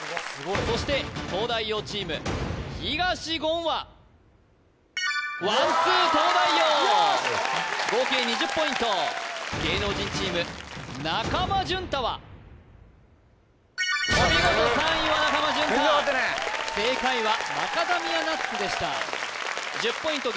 そして東大王チーム東言はワンツー東大王合計２０ポイント芸能人チーム中間淳太はお見事３位は中間淳太正解はマカダミアナッツでした１０ポイント